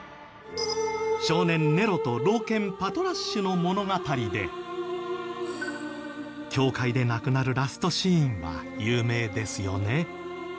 少年ネロと老犬パトラッシュの物語で教会で亡くなるラストシーンは有名ですよね。